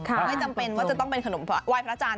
ไม่จำเป็นว่าจะต้องเป็นขนมไวพระจาญ